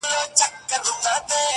• حق لرم چي والوزم اسمان ته الوته لرم..